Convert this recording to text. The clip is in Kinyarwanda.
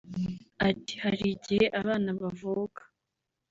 Ati “ Hari igihe abana bavuka